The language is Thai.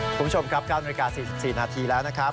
คุณผู้ชมครับ๙นาฬิกา๔๔นาทีแล้วนะครับ